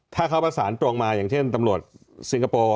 ถ้าเขาประสานตรงมาอย่างเช่นตำรวจสิงคโปร์